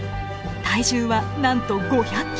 体重はなんと５００ｋｇ。